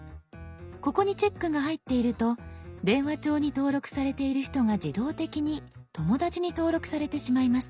ここにチェックが入っていると電話帳に登録されている人が自動的に「友だち」に登録されてしまいます。